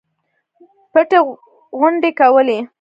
پټې غونډې کولې.